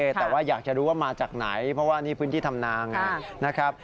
แต่ว่าอยากจะรู้ว่ามาจากไหนเพราะว่านี่พื้นที่ทำนางนะครับ